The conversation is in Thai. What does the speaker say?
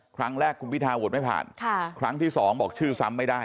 ครั้งแรกคุณพิทาโหวตไม่ผ่านครั้งที่สองบอกชื่อซ้ำไม่ได้